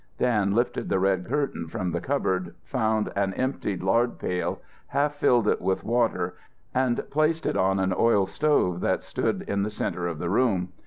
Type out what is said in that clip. Dan lifted the red curtain from the cupboard, found an emptied lard pail, half filled it with water and placed it on an oil stove that stood in the center of the room.